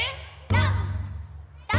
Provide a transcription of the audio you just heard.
どん！